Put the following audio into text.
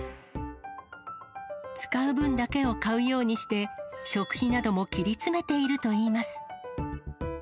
使う分だけを買うようにして、食費なども切り詰めているといいます。